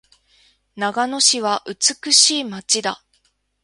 長野市は美しい街だ。